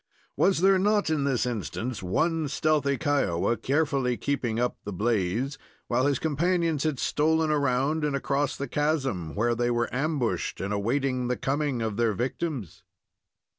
Was there not, in this instance, one stealthy Kiowa carefully keeping up the blaze, while his companions had stolen around and across the chasm, where they were ambushed and awaiting the coming of their victims?